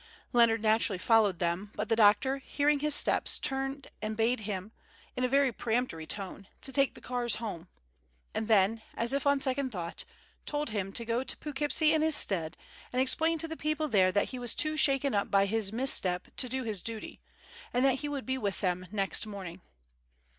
Leonard naturally followed them, but the doctor, hearing his steps, turned and bade him, in a very peremptory tone, to take the cars home, and then, as if on second thought, told him to go to Poughkeepsie in his stead and explain to the people there that he was too shaken up by his misstep to do his duty, and that he would be with them next morning.